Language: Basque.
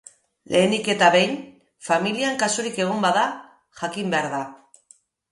Lehenik eta behin, familian kasurik egon bada jakin behar da.